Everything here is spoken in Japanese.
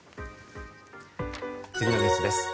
次のニュースです。